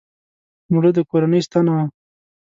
مړه د کورنۍ ستنه وه